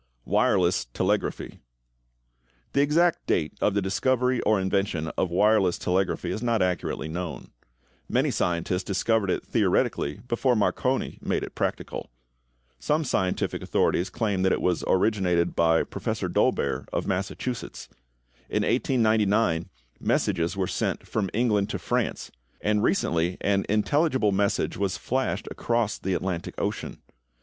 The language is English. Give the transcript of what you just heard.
=Wireless Telegraphy.= The exact date of the discovery or invention of wireless telegraphy is not accurately known. Many scientists discovered it theoretically before Marconi made it practical. Some scientific authorities claim that it was originated by Professor Dolbear, of Massachusetts. In 1899, messages were sent from England to France, and recently an intelligible message was flashed across the Atlantic Ocean.